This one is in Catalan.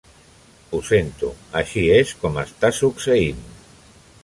Ho sento, així és com està succeint.